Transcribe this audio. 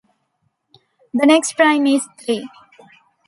The next prime is three.